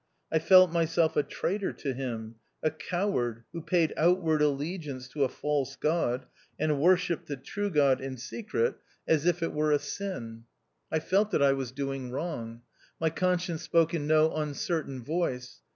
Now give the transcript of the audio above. I felt myself a traitor to Him — a coward, who paid out ward allegiance to a false God, and wor shipped the true God in secret as if it were u& THE OUTCAST. a sin. 1 felt that I was doing wrong. My conscience spoke in no uncertain voice.